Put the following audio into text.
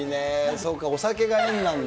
そうか、お酒が縁なんだ。